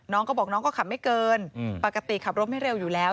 น้องก็บอกน้องก็ขับไม่เกินปกติขับรถไม่เร็วอยู่แล้ว